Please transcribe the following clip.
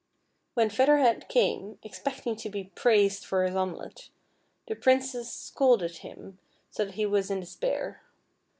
When Feather Head came, expecting to be praised for his omelet, the Princess scolded him, so that he was in despair.